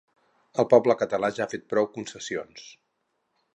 El poble català ja ha fet prou concessions.